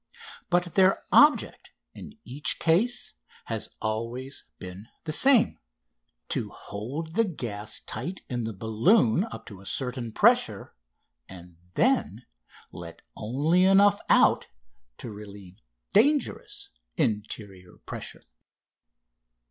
But their object in each case has always been the same: to hold the gas tight in the balloon up to a certain pressure and then let only enough out to relieve dangerous interior pressure.